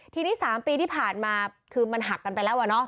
ทีนี้๓ปีที่ผ่านมาคือมันหักกันไปแล้ว